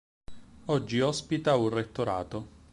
Oggi ospita un Rettorato.